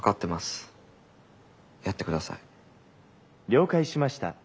「了解しました。